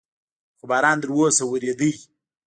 خو باران تر اوسه ورېده.